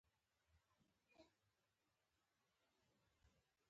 زه د علم د پراختیا لپاره کوښښ نه کوم.